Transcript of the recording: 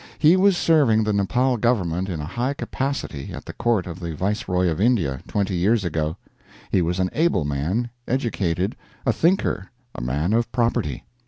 He was serving the Nepal Government in a high capacity at the Court of the Viceroy of India, twenty years ago. He was an able man, educated, a thinker, a man of property.